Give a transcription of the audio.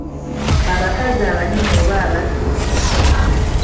Abakazi abanene oba abatono.